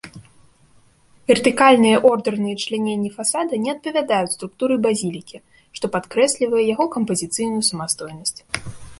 Вертыкальныя ордэрныя чляненні фасада не адпавядаюць структуры базілікі, што падкрэслівае яго кампазіцыйную самастойнасць.